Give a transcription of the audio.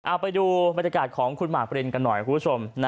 เอาไปดูบรรยากาศของคุณหมากปรินกันหน่อยคุณผู้ชม